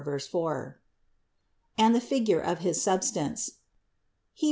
4, 4) and the figure of his substance (Heb.